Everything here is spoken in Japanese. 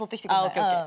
ＯＫＯＫ。